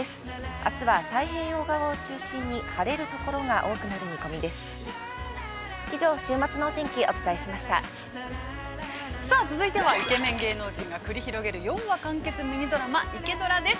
あすは太平洋側を中心に晴れるところが多くなる見込みです。